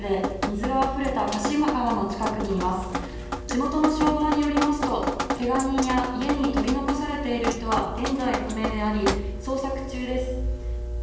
地元の消防によりますとけが人や家に取り残されている人は現在不明であり、捜索中です。